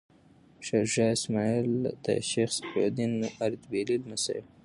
شاه اسماعیل د شیخ صفي الدین اردبیلي لمسی و.